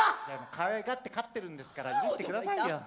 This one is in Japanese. かわいがって飼ってるんですから許してくださいよ。